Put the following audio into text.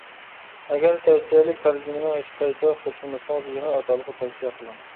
ئەگەر تەۋسىيەلىك تەرجىمىنىڭ ھېچقايسىسىغا قوشۇلمىسىڭىز، يېڭى ئاتالغۇ تەۋسىيە قىلىڭ.